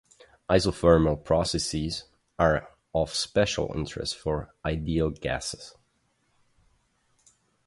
Isothermal processes are of special interest for ideal gases.